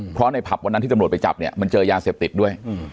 เพราะในผับวันนั้นที่ตำรวจไปจับเนี่ยมันเจอยาเสพติดด้วย